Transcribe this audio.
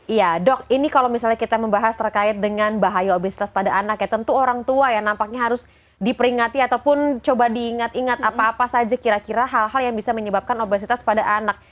iya dok ini kalau misalnya kita membahas terkait dengan bahaya obesitas pada anak ya tentu orang tua ya nampaknya harus diperingati ataupun coba diingat ingat apa apa saja kira kira hal hal yang bisa menyebabkan obesitas pada anak